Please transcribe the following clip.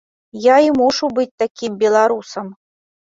Я і мушу быць такім беларусам.